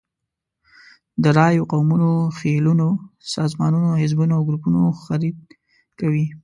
د رایو، قومونو، خېلونو، سازمانونو، حزبونو او ګروپونو خرید کوي.